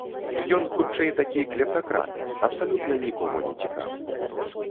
Ён, хутчэй, такі клептакрат, абсалютна нікому не цікавы.